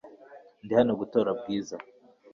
Ndi hano gutora Bwiza .